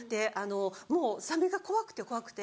もうサメが怖くて怖くて。